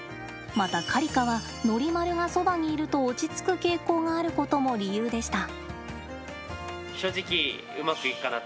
また、カリカはノリマルがそばにいると落ち着く傾向があることも理由でした。